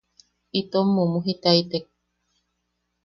Itom mumujitaitek.